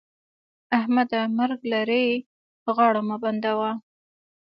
احمده! مرګ لرې؛ غاړه مه بندوه.